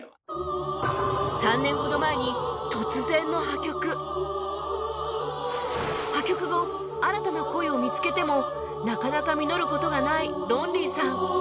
３年ほど前に破局後新たな恋を見付けてもなかなか実る事がないロンリーさん